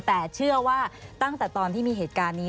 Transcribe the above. แต่เชื่อว่าตั้งแต่ตอนที่มีเหตุการณ์นี้